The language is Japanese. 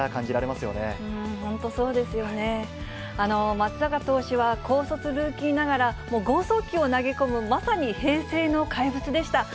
松坂投手は、高卒ルーキーながら、豪速球を投げ込む、まさに平成の怪物でした。